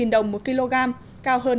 bốn mươi năm đồng một kg cao hơn